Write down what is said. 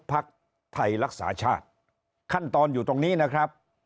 พักไทยรักษาชาติขั้นตอนอยู่ตรงนี้นะครับ